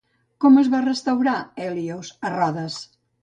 Com va restaurar Hèlios a Rodes?